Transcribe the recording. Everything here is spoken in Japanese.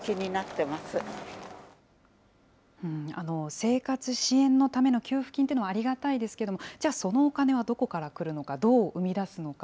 生活支援のための給付金というのはありがたいですけれども、じゃあ、そのお金はどこから来るのか、どう生み出すのか。